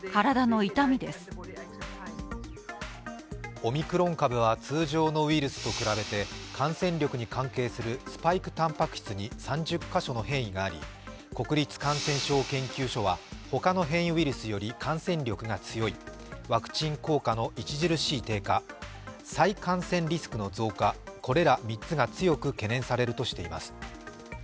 オミクロン株は通常のウイルスと比べて感染力に関係するスパイクたんぱく質に３０カ所の変異があり国立感染症研究所は他の変異ウイルスより感染力が強い、ワクチン効果の著しい低下、再感染リスクの増加、これら３つが強く懸念されるとしています。